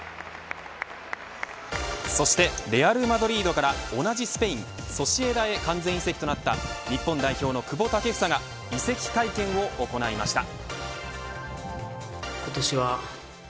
そしてレアルマドリードから同じスペインソシエダへ完全移籍となった日本代表の久保建英が移籍会見を行いました。